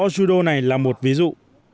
judo này là một ví dụ